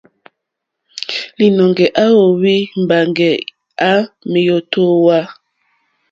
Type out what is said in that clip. Lìnɔ̀ŋɡɛ̀ à óhwì mbàŋɡɛ̀ à mèótówà.